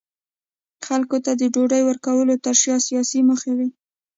خلکو ته د ډوډۍ ورکولو ترشا سیاسي موخې وې.